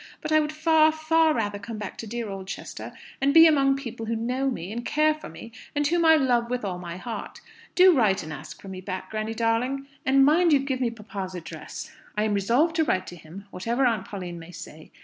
But I would far, far rather come back to dear Oldchester, and be amongst people who know me, and care for me, and whom I love with all my heart. Do write and ask for me back, granny darling! And mind you give me papa's address. I am resolved to write to him, whatever Aunt Pauline may say.